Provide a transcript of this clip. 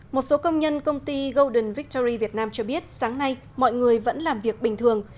một số công nhân công ty golden victory việt nam cho biết sáng nay mọi người vẫn làm việc bình thường